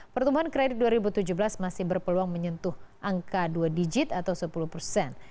pertumbuhan kredit dua ribu tujuh belas masih berpeluang menyentuh angka dua digit atau sepuluh persen